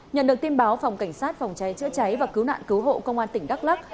nhận được tin báo phòng cảnh sát phòng cháy chữa cháy và cứu nạn cứu hộ công an tỉnh đắk lắc